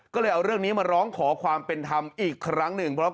ก็เลยเอาเรื่องนี้มาร้องขอความเป็นธรรมอีกครั้งหนึ่ง